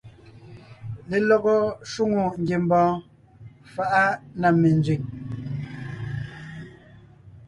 Lelɔgɔ shwòŋo ngiembɔɔn faʼa na menzẅìŋ.